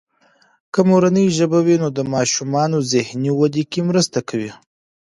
که مورنۍ ژبه وي، نو د ماشومانو ذهني ودې کې مرسته کوي.